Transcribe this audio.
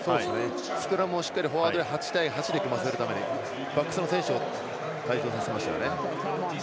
スクラムをしっかり８対８で組ませるためにバックスの選手を退場させました。